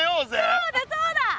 そうだそうだ。